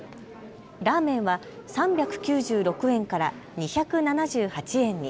ラーメンは３９６円から２７８円に。